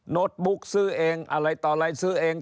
โน้ตบุ๊กซื้อเองอะไรต่ออะไรซื้อเอง